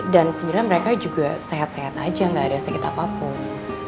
dan sebenarnya mereka juga sehat sehat aja gak ada segit apapun